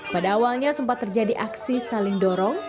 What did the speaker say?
pada awalnya sempat terjadi aksi saling dorong